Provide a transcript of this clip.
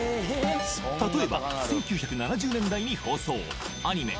例えば１９７０年代に放送アニメ